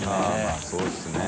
泙，泙そうですね。